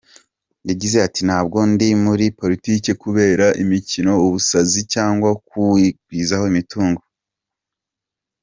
Yagize ati “ Ntabwo ndi muri politike kubera imikino, ubusazi cyangwa kwigwiza ho imitungo.